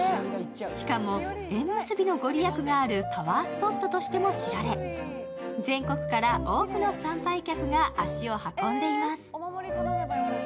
しかも縁結びのご利益があるパワースポットとしても知られ、全国から多くの参拝客が足を運んでいます。